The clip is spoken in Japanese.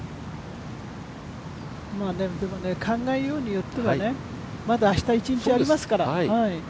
でも、考えようによってはまだ明日一日ありますから。